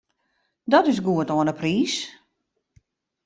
Dat is goed oan 'e priis.